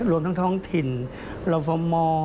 รวมทั้งถิ่นรัฐฟรรมน์